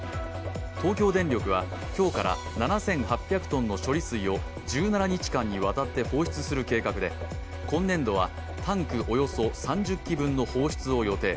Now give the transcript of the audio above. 東京電力は今日から７８００ｔの処理水を１７日間にわたって放出する計画で今年度はタンクおよそ３０基分の放出を予定。